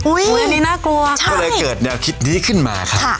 อันนี้น่ากลัวค่ะก็เลยเกิดแนวคิดนี้ขึ้นมาครับ